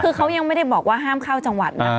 คือเขายังไม่ได้บอกว่าห้ามเข้าจังหวัดนะ